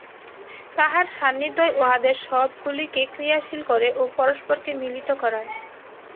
তাঁহার সান্নিধ্যই উহাদের সবগুলিকে ক্রিয়াশীল করে ও পরস্পরকে মিলিত করায়।